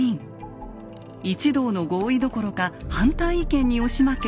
一同の合意どころか反対意見に押し負け